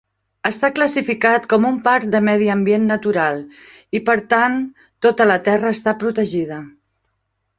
Està classificat com un parc de medi ambient natural i per tant tota la terra està protegida.